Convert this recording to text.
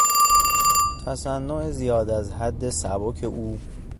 تصنع زیاد از حد سبک او